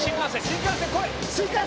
「新幹線来い！」